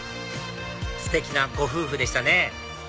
ステキなご夫婦でしたね